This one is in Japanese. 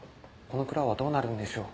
この蔵はどうなるんでしょう？